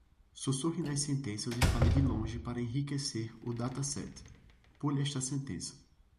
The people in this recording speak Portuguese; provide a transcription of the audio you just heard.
Sussurre nas sentenças e fale de longe para enriquecer o dataset, pule esta sentença